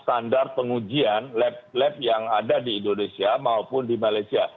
standar pengujian lab lab yang ada di indonesia maupun di malaysia